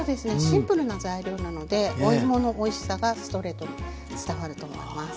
シンプルな材料なのでおいものおいしさがストレートに伝わると思います。